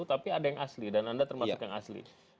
tapi ada yang asli dan anda termasuk yang asli